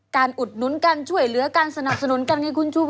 การอุดนุ้นการช่วยเหลือการสนำสนุนกันไงคุณชูวิทย์